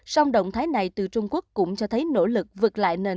song động thái này từ trung quốc cũng cho thấy nỗ lực vượt lại nền